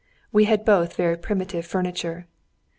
We had both very primitive furniture.